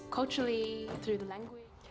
kami berhasil mencari pengetahuan tentang tarian ini